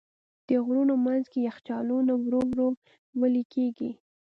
د غرونو منځ کې یخچالونه ورو ورو وېلې کېږي.